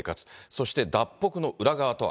そして脱北の裏側とは。